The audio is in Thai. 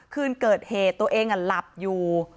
คืนเกิดเหตุตัวเองหลับอยู่